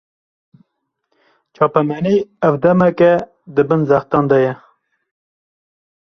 Çapemenî, ev demeke di bin zextan de ye